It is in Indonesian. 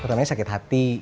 pertamanya sakit hati